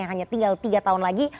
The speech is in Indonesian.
yang hanya tinggal tiga tahun lagi